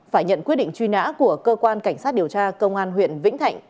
phải nhận quyết định truy nã của cơ quan cảnh sát điều tra công an huyện vĩnh thạnh